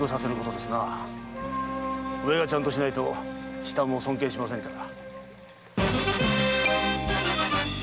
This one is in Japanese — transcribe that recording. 上がちゃんとしないと下も尊敬しませんから。